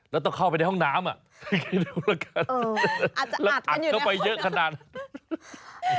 แล้วก็ต้องเข้าไปในห้องน้ำตัวเข้าไปเยอะขนาดนั้นน่ะ